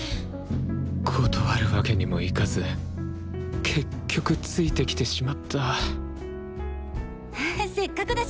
断るわけにもいかず結局ついてきてしまったせっかくだし